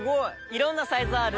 いろんなサイズある。